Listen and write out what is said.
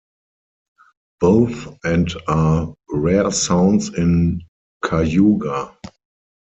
Both and are rare sounds in Cayuga.